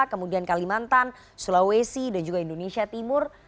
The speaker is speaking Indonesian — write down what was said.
kemudian kalimantan sulawesi dan juga indonesia timur